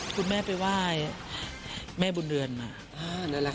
คุณแม่ไปไหว้แม่บุญเรือนมา